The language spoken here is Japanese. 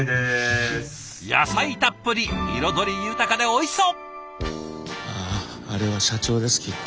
野菜たっぷり彩り豊かでおいしそう！